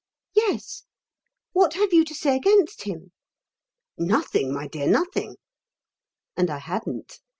"Yes. What have you to say against him?" "Nothing, my dear, nothing." And I hadn't.